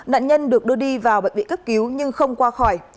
nạn nhân được đưa đi vào bệnh viện cấp cứu nhưng không qua khỏi